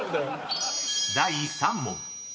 ［第３問］